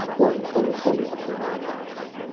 চলো, চলো, চলো!